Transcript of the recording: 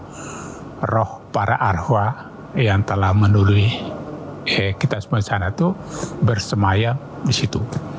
bahwa roh para arwah yang telah menuluhi kita semua di sana itu bersemayam di situ